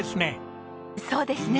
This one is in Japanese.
そうですね！